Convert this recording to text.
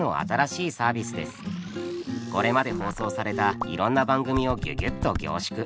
これまで放送されたいろんな番組をギュギュっと凝縮。